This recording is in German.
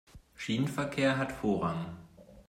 Schienenverkehr hat Vorrang.